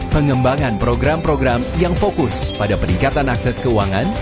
pengembangan program program yang fokus pada peningkatan akses keuangan